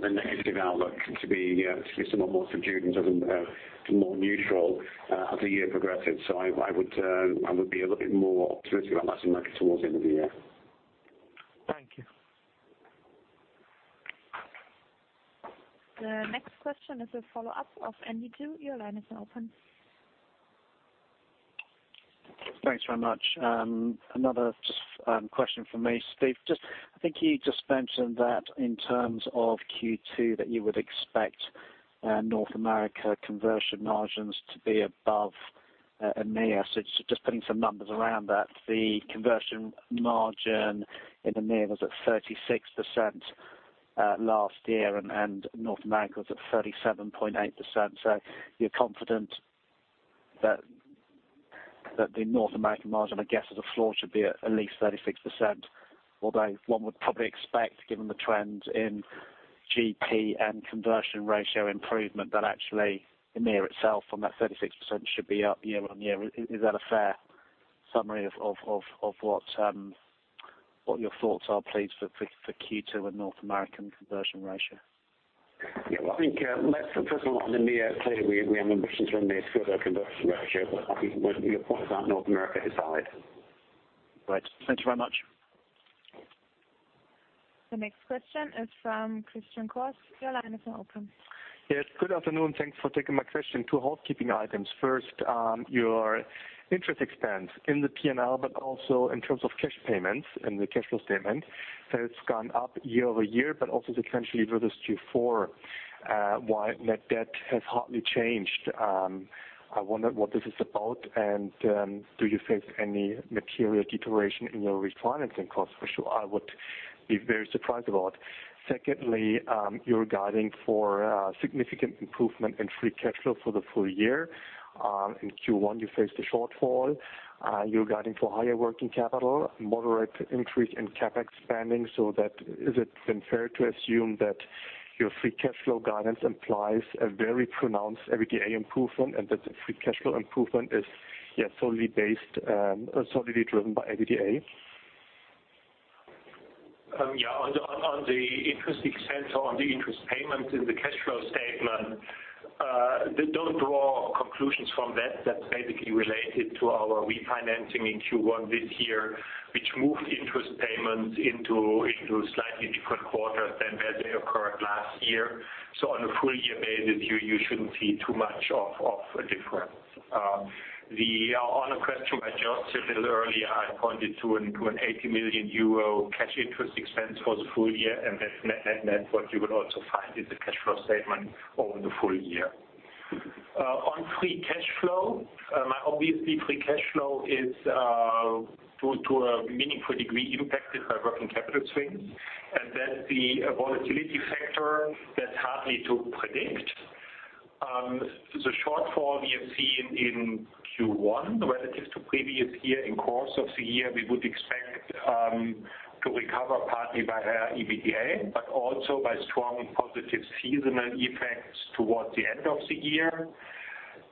negative outlook to be somewhat more subdued and more neutral as the year progresses. I would be a little bit more optimistic about Latin America towards the end of the year. Thank you. The next question is a follow-up of Andy Chu. Your line is now open. Thanks very much. Another question from me, Steve. I think you just mentioned that in terms of Q2, that you would expect North America conversion margins to be above EMEA. Just putting some numbers around that. The conversion margin in EMEA was at 36% last year and North America was at 37.8%. You're confident that the North American margin, I guess, as a floor should be at least 36%, although one would probably expect, given the trends in GP and conversion ratio improvement, that actually EMEA itself on that 36% should be up year-over-year. Is that a fair summary of what your thoughts are, please, for Q2 with North American conversion ratio? Yeah, well, I think first of all on EMEA, clearly we have ambitions around the further conversion ratio, but your point about North America is valid. Right. Thanks very much. The next question is from Christian Kohlpaintner. Your line is now open. Yes. Good afternoon. Thanks for taking my question. Two housekeeping items. First, your interest expense in the P&L, but also in terms of cash payments in the cash flow statement, has gone up year-over-year, but also sequentially versus Q4, while net debt has hardly changed. I wonder what this is about, and do you face any material deterioration in your refinancing costs, which I would be very surprised about. Secondly, you're guiding for a significant improvement in free cash flow for the full year. In Q1, you faced a shortfall. You're guiding for higher working capital, moderate increase in CapEx spending. Is it then fair to assume that your free cash flow guidance implies a very pronounced EBITDA improvement and that the free cash flow improvement is solidly driven by EBITDA? Yeah. On the interest expense or on the interest payment in the cash flow statement, don't draw conclusions from that. That's basically related to our refinancing in Q1 this year, which moved interest payments into a slightly different quarter than where they occurred last year. On a full year basis, you shouldn't see too much of a difference. On a question I just said a little earlier, I pointed to an 80 million euro cash interest expense for the full year and net net net what you would also find in the cash flow statement over the full year. On free cash flow, obviously free cash flow is to a meaningful degree impacted by working capital swings and then the volatility factor that's hardly to predict. The shortfall we have seen in Q1 relative to previous year in course of the year, we would expect to recover partly by higher EBITDA, but also by strong positive seasonal effects towards the end of the year.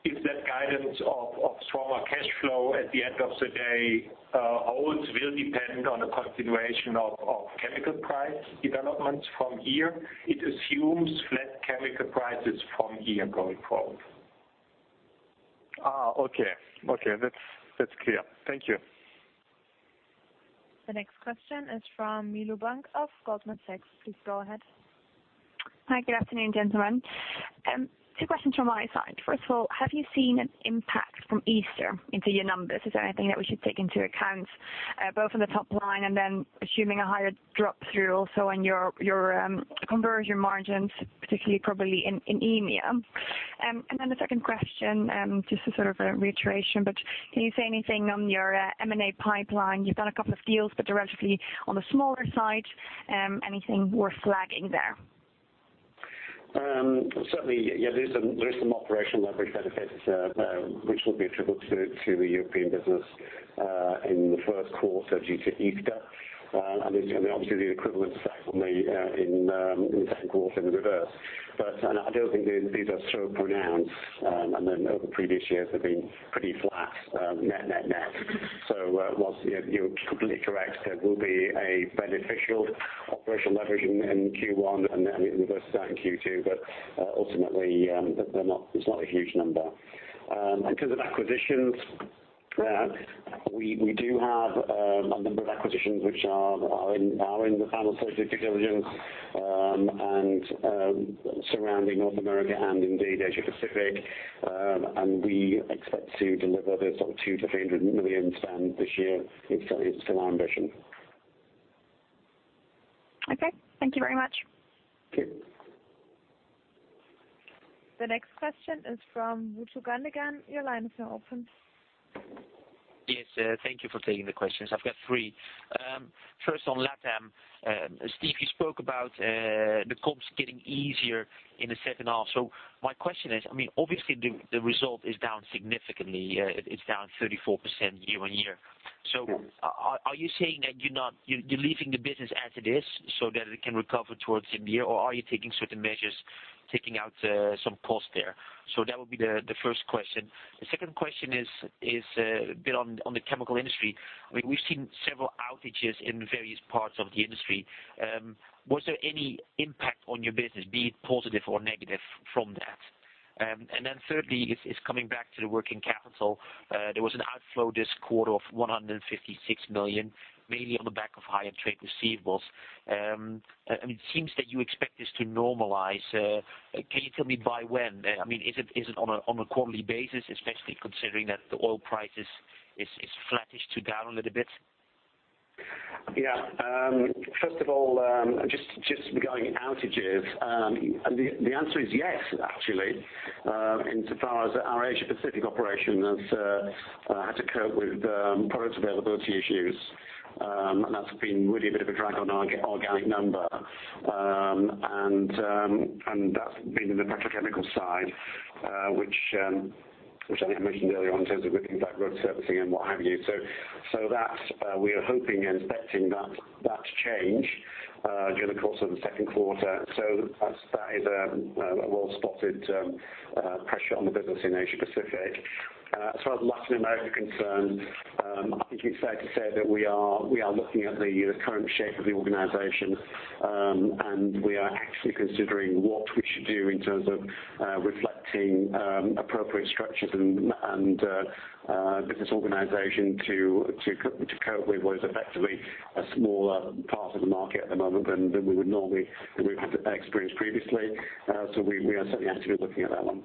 If that guidance of stronger cash flow at the end of the day holds will depend on a continuation of chemical price developments from here. It assumes flat chemical prices from here going forward. Okay. That's clear. Thank you. The next question is from Milo Bank of Goldman Sachs. Please go ahead. Hi, good afternoon, gentlemen. Two questions from my side. First of all, have you seen an impact from Easter into your numbers? Is there anything that we should take into account, both on the top line and then assuming a higher drop through also on your conversion margins, particularly probably in EMEA? The second question, just as sort of a reiteration, but can you say anything on your M&A pipeline? You've done a couple of deals, but they're relatively on the smaller side. Anything worth flagging there? Certainly, there is some operational leverage benefits, which will be attributable to the European business in the first quarter due to Easter, and obviously the equivalent of that in the second quarter in reverse. I don't think these are so pronounced, over previous years, they've been pretty flat net net net. Whilst you're completely correct, there will be a beneficial operational leverage in Q1 and then it reverses out in Q2. Ultimately, it's not a huge number. In terms of acquisitions, we do have a number of acquisitions which are in the final stages of due diligence and surrounding North America and indeed Asia Pacific. We expect to deliver the sort of 2 million-300 million spend this year. It's still our ambition. Okay. Thank you very much. Okay. The next question is from Vutu Gandegan. Your line is now open. Yes. Thank you for taking the questions. I've got three. First on LatAm. Steve, you spoke about the comps getting easier in the second half. My question is, obviously the result is down significantly. It's down 34% year-on-year. Are you saying that you're leaving the business as it is so that it can recover towards the end of the year or are you taking certain measures, taking out some costs there? That would be the first question. The second question is a bit on the chemical industry. We've seen several outages in various parts of the industry. Was there any impact on your business, be it positive or negative from that? Thirdly, it's coming back to the working capital. There was an outflow this quarter of 156 million, mainly on the back of higher trade receivables. It seems that you expect this to normalize. Can you tell me by when? Is it on a quarterly basis, especially considering that the oil price is flattish to down a little bit? First of all, just regarding outages, the answer is yes, actually, in so far as our Asia Pacific operation has had to cope with product availability issues. That's been really a bit of a drag on our organic number. That's been in the petrochemical side, which I think I mentioned earlier on in terms of impact road servicing and what have you. We are hoping and expecting that to change during the course of the second quarter. That is a well-spotted pressure on the business in Asia Pacific. As far as Latin America concerned, I think it's fair to say that we are looking at the current shape of the organization, and we are actually considering what we should do in terms of reflecting appropriate structures and business organization to cope with what is effectively a smaller part of the market at the moment than we would normally, than we've experienced previously. We are certainly actively looking at that one.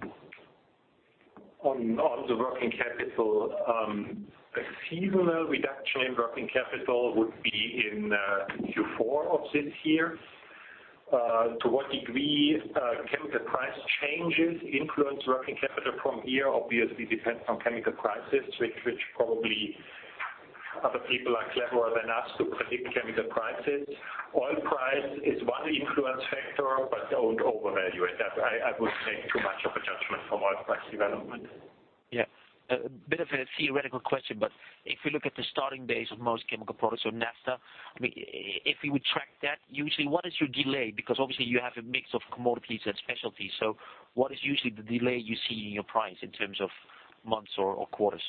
On the working capital, a seasonal reduction in working capital would be in Q4 of this year. To what degree chemical price changes influence working capital from here obviously depends on chemical prices, which probably other people are cleverer than us to predict chemical prices. Oil price is one influence factor, but I would overvalue it. I wouldn't make too much of a judgment from oil price development. Yeah. A bit of a theoretical question, but if you look at the starting base of most chemical products on naphtha, if we would track that usually, what is your delay? Because obviously you have a mix of commodities and specialties. What is usually the delay you see in your price in terms of months or quarters?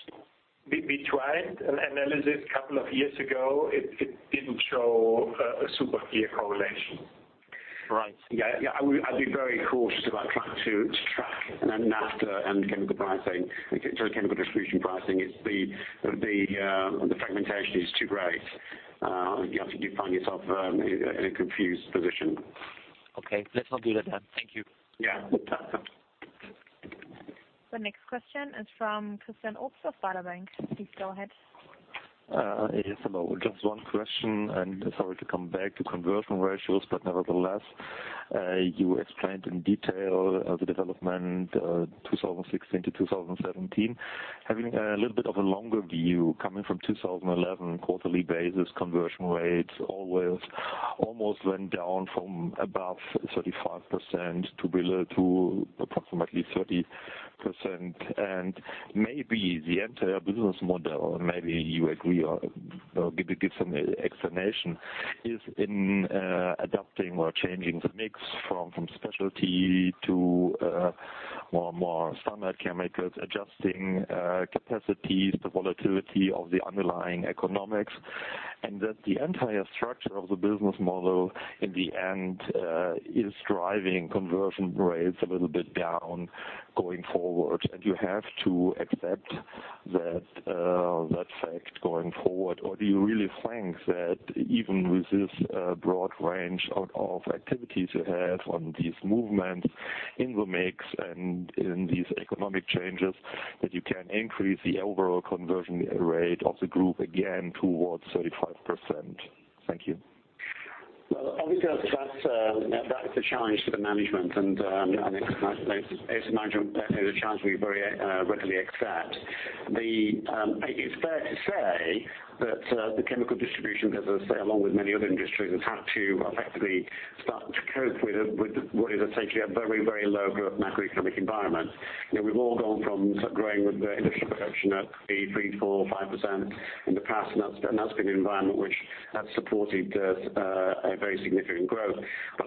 We tried an analysis a couple of years ago. It didn't show a super clear correlation. Right. Yeah. I'd be very cautious about trying to track Naphtha and chemical pricing, in terms of chemical distribution pricing. The fragmentation is too great. I think you'd find yourself in a confused position. Okay. Let's not do that then. Thank you. Yeah. The next question is from Christian Obst of Baader Bank. Please go ahead. Yes, hello. Just one question, sorry to come back to conversion ratios, nevertheless, you explained in detail the development 2016 to 2017. Having a little bit of a longer view, coming from 2011 quarterly basis conversion rates, always almost went down from above 35% to below to approximately 30%. Maybe the entire business model, and maybe you agree or give some explanation, is in adapting or changing the mix from specialty to more standard chemicals, adjusting capacities to volatility of the underlying economics, and that the entire structure of the business model, in the end, is driving conversion rates a little bit down going forward. You have to accept that fact going forward. Do you really think that even with this broad range of activities you have on these movements in the mix and in these economic changes, that you can increase the overall conversion rate of the group again towards 35%? Thank you. Obviously that is the challenge for the management and as the management, that is a challenge we very readily accept. It's fair to say that the chemical distribution business, along with many other industries, has had to effectively start to cope with what is essentially a very low growth macroeconomic environment. We've all gone from growing with the industry production at three, four, 5% in the past, and that's been an environment which has supported a very significant growth.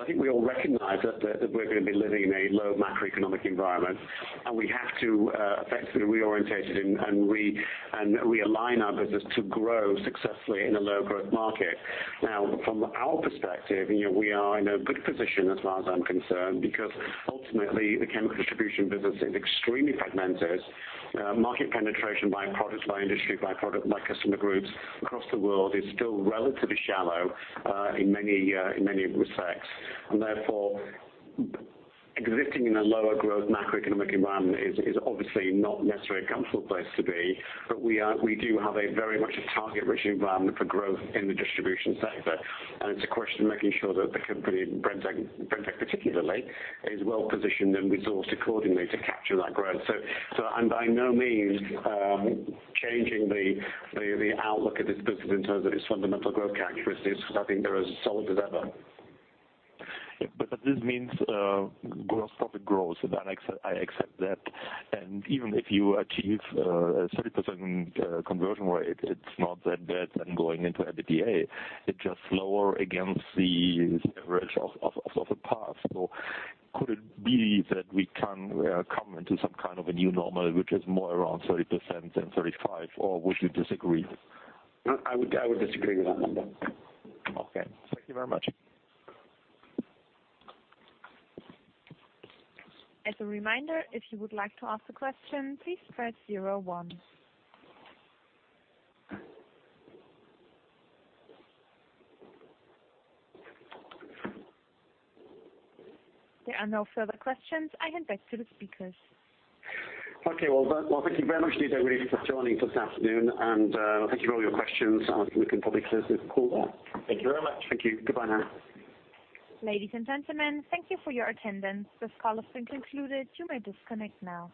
I think we all recognize that we're going to be living in a low macroeconomic environment and we have to effectively reorientate and realign our business to grow successfully in a low growth market. From our perspective, we are in a good position as far as I'm concerned because ultimately the chemical distribution business is extremely fragmented. Market penetration by products, by industry, by product, by customer groups across the world is still relatively shallow in many respects. Therefore, existing in a lower growth macroeconomic environment is obviously not necessarily a comfortable place to be, but we do have a very much a target-rich environment for growth in the distribution sector. It's a question of making sure that the company, Brenntag particularly, is well-positioned and resourced accordingly to capture that growth. I'm by no means changing the outlook of this business in terms of its fundamental growth characteristics because I think they're as solid as ever. This means gross profit growth, I accept that. Even if you achieve a 30% conversion rate, it's not that bad then going into EBITDA. It's just lower against the average of the past. Could it be that we can come into some kind of a new normal, which is more around 30% than 35%, or would you disagree? I would disagree with that. Okay. Thank you very much. As a reminder, if you would like to ask a question, please press 01. There are no further questions. I hand back to the speakers. Okay. Well, thank you very much indeed, everybody, for joining this afternoon. Thank you for all your questions and for making the public listed call. Thank you very much. Thank you. Goodbye now. Ladies and gentlemen, thank you for your attendance. This call has been concluded. You may disconnect now.